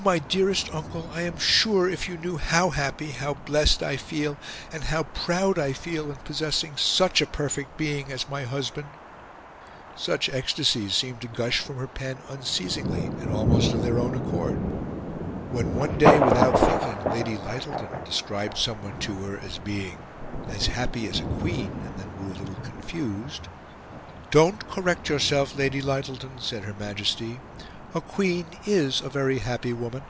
my dearest uncle, I am sure if you knew HOW happy, how blessed I feel, and how PROUD I feel in possessing SUCH a perfect being as my husband..." such ecstasies seemed to gush from her pen unceasingly and almost of their own accord. When, one day, without thinking, Lady Lyttelton described someone to her as being "as happy as a queen," and then grew a little confused, "Don't correct yourself, Lady Lyttelton," said Her Majesty. "A queen IS a very happy woman."